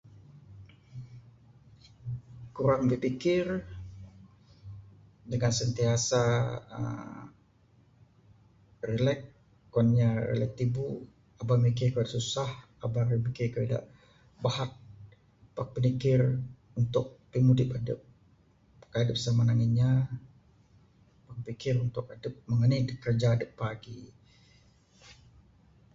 Kurang bipikir dangan uhh sentiasa relax kuan inya relax tibu aba mikir kayuh da susah. Aba mikir kayuh da bahat Pak pinikir untuk pimudip adep, kaik sah dep manang inya. Pikir untuk adep meng anih adep pagi.